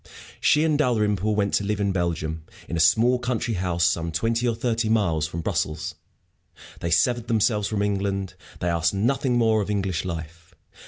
She and Dalrymple went to live in Belgium, in a small country house some twenty or thirty miles from Brussels. They severed themselves from England; they asked nothing more of English life.